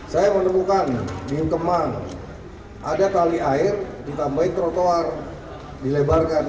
saya menemukan di kemang ada tali air ditambahin trotoar dilebarkan